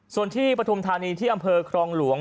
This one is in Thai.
ส่วนที่ปฐุมธานีที่อำเภอครองหลวง